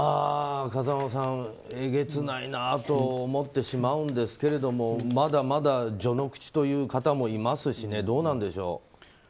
風間さん、えげつないなと思ってしまうんですけれどもまだまだ序の口という方もいますし、どうなんでしょう。